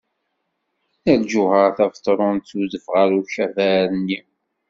Nna Lǧuheṛ Tabetṛunt tudef ɣer ukabar-nni.